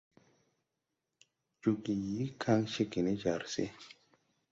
Jooge yii kaŋ cégè ne jar se.